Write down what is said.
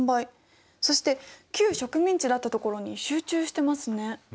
そして旧植民地だったところに集中してますね。